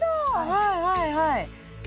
はいはいはい。